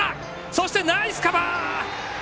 そしてナイスカバー！